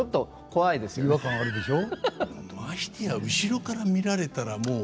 ましてや後ろから見られたらもう。